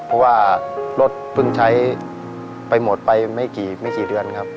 ข้างซ้าย